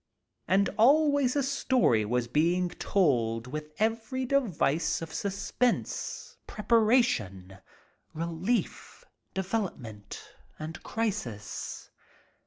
And always a story was being told with every device of suspense, preparation, relief, development, and crisis.